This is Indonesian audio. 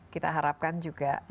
kita harapkan juga